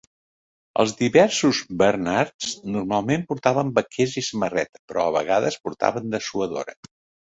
Els diversos Bernards normalment portaven vaquers i samarreta, però a vegades portaven dessuadora.